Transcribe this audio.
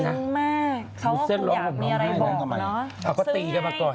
ซึ่งมากก็จะขอเสียความน้อย